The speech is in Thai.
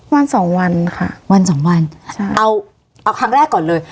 วันสองวันค่ะวันสองวันใช่เอาเอาครั้งแรกก่อนเลย